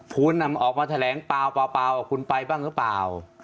คุณออกมาแถลงเปล่าคุณไปบ้างหรือเปล่า